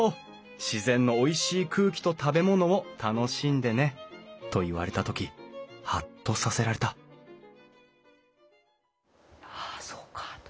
自然のおいしい空気と食べ物を楽しんでね」と言われた時ハッとさせられたああそうかあと。